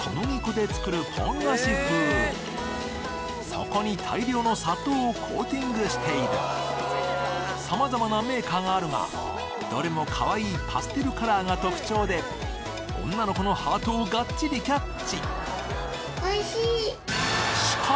そこに大量の砂糖をコーティングしている様々なメーカーがあるがどれも可愛いパステルカラーが特徴で女の子のハートをガッチリキャッチ！